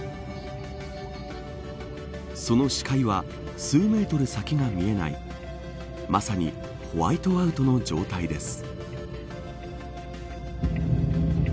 その視界は数メートル先が見えないまさにホワイトアウトの状態です。